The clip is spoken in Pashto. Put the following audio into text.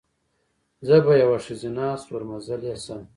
زه به یوه ښځینه ستورمزلې شم."